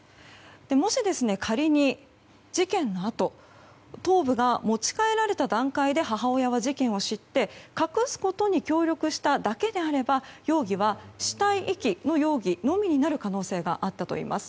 もし仮に、事件のあと頭部が持ち帰られた段階で母親は事件を知って隠すことに協力しただけであれば容疑は、死体遺棄の容疑のみになる可能性があったといいます。